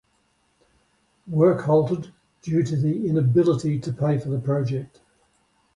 Work halted due to the inability to pay for the project.